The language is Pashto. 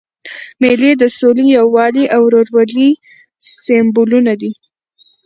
مېلې د سولي، یووالي او ورورولۍ سېمبولونه دي.